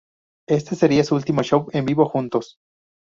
Este sería su último show en vivo juntos.